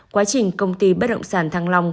quá trình công ty bất động sản thăng long